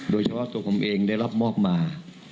โดยเฉพาะตัวผมเองได้รับมอบมา